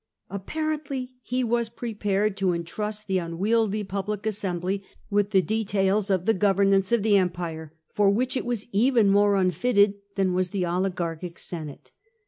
Apparently he was prepared to entrust the unwieldy Public Assembly with the details of the governance of the empire, for which it was even more unfitted than was the oligarchic Senate.